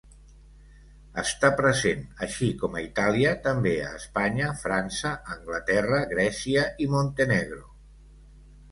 Està present així com a Itàlia, també a Espanya, França, Anglaterra, Grècia i Montenegro.